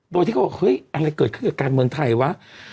โดยที่เขาบอกเฮ้ยอะไรเกิดขึ้นกับการเมืองไทยวะ